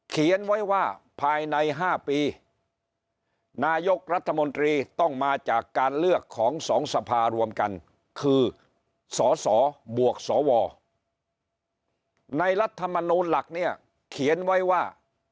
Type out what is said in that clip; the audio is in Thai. เขียนไว้ว่าภายใน๕ปีนายกรัฐมนตรีต้องมาจากการเลือกของสองสภารวมกันคือสสบวกสวในรัฐมนูลหลักเนี่ยเขียนไว้ว่า